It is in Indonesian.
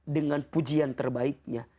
dengan pujian terbaiknya